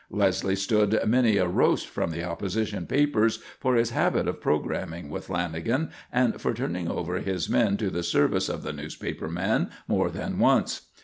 Leslie stood many a "roast" from the opposition papers for his habit of programming with Lanagan, and for turning over his men to the service of the newspaper man more than once.